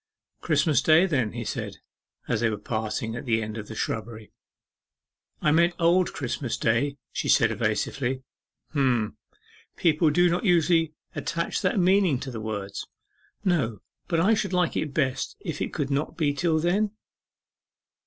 'Christmas Day, then,' he said, as they were parting at the end of the shrubbery. 'I meant Old Christmas Day,' she said evasively. 'H'm, people do not usually attach that meaning to the words.' 'No; but I should like it best if it could not be till then?